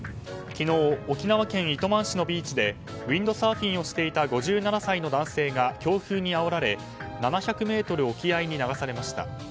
昨日、沖縄県糸満市のビーチでウィンドサーフィンをしていた５７歳の男性が強風にあおられ７００ｍ沖合に流されました。